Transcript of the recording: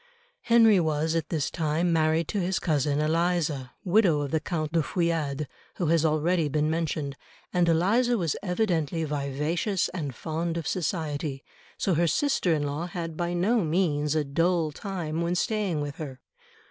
Henry was at this time married to his cousin Eliza, widow of the Count de Feuillade, who has already been mentioned, and Eliza was evidently vivacious and fond of society, so her sister in law had by no means a dull time when staying with her.